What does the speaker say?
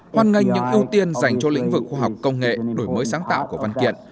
hoan nghênh những ưu tiên dành cho lĩnh vực khoa học công nghệ đổi mới sáng tạo của văn kiện